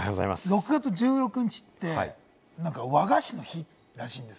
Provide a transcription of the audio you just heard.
６月１６日って、和菓子の日らしいんです。